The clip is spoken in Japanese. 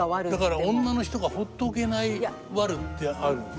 だから女の人がほっておけないワルってあるんですよね。